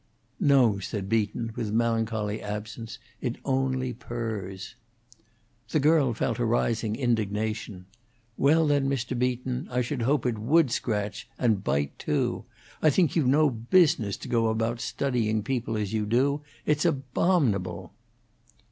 "No," said Beaton, with melancholy absence, "it only purrs." The girl felt a rising indignation. "Well, then, Mr. Beaton, I should hope it would scratch, and bite, too. I think you've no business to go about studying people, as you do. It's abominable."